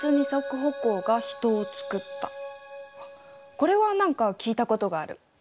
これは何か聞いたことがある。